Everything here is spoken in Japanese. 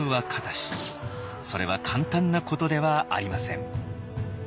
それは簡単なことではありません。